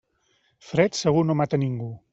Fred segur no mata ningú.